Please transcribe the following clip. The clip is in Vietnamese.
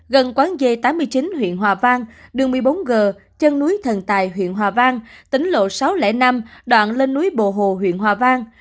gần quán d tám mươi chín huyện hòa vang đường một mươi bốn g chân núi thần tài huyện hòa vang tính lộ sáu trăm linh năm đoạn lên núi bồ hồ huyện hòa vang